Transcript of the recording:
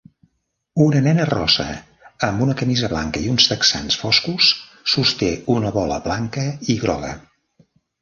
Una nena rossa amb una camisa blanca i uns texans foscos sosté una bola blanca i groga.